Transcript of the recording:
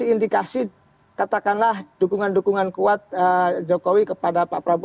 itu kan indikasi indikasi katakanlah dukungan dukungan kuat jokowi kepada pak prabowo